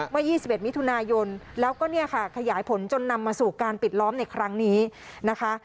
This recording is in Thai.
เมื่อ๒๑มิถุนายนแล้วก็เนี่ยค่ะขยายผลจนนำมาสู่การปิดล้อมในครั้งนี้นะคะ